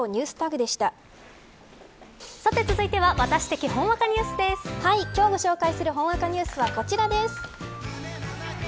続いては今日ご紹介するほんわかニュースはこちらです。